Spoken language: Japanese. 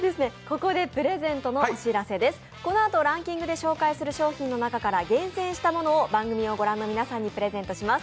このあとランキングで紹介する商品の中から厳選したものを番組をご覧の皆さんにプレゼントします。